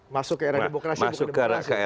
masuk ke era demokrasi bukan demokrasi